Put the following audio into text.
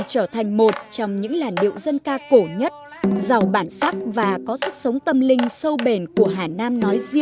trở thành một trong những làn điệu dân ca cổ nhất giàu bản sắc và có sức sống tâm linh sâu bền của hà nội